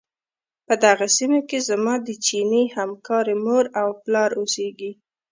په دغې سيمې کې زما د چيني همکارې مور او پلار اوسيږي.